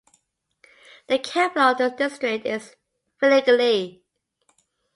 The capital of this district is Vilingili.